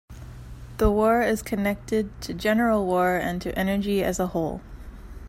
This war is connected to general war and to energy as a whole.